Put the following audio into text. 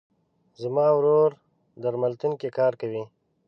زما ورور درملتون کې کار کوي.